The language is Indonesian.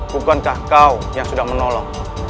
bukankah kau yang sudah menolong